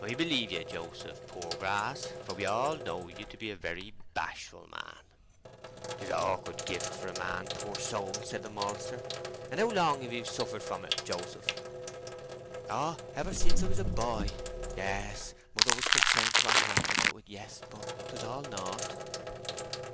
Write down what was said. "I believe ye, Joseph Poorgrass, for we all know ye to be a very bashful man." "'Tis a' awkward gift for a man, poor soul," said the maltster. "And how long have ye have suffered from it, Joseph?" "Oh, ever since I was a boy. Yes—mother was concerned to her heart about it—yes. But 'twas all nought."